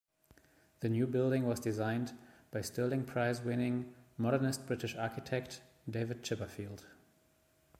The new building was designed by Stirling Prize-winning Modernist British architect David Chipperfield.